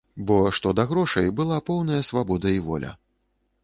Бо, што да грошай, была поўная свабода і воля.